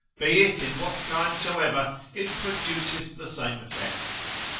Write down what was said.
be it in what kind soever, it produceth the same effects.